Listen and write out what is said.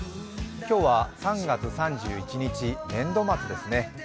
今日は３月３１日、年度末ですね。